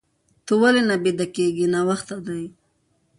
ته ولې نه بيده کيږې؟ ناوخته دي.